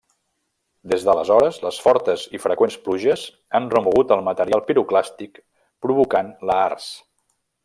Des d'aleshores les fortes i freqüents pluges han remogut el material piroclàstic, provocant lahars.